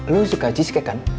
lu suka cheesecake kan